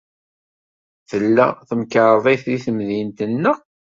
Tella temkarḍit deg temdint-nneɣ.